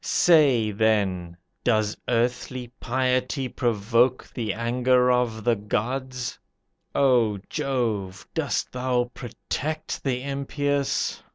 Say, then, does earthly piety provoke The anger of the gods? O Jove, dost thou protect the impious?